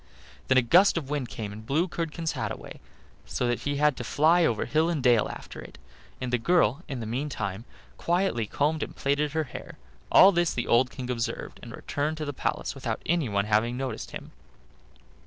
Then a gust of wind came and blew Curdken's hat away, so that he had to fly over hill and dale after it, and the girl in the meantime quietly combed and plaited her hair: all this the old King observed, and returned to the palace without anyone having noticed him.